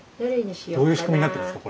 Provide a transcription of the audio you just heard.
どういう仕組みになってるんですか？